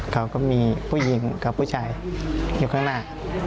เขาก็มีผู้หญิงกับผู้ชายอยู่ข้างหน้า